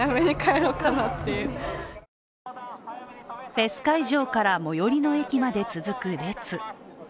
フェス会場から最寄りの駅まで続く列。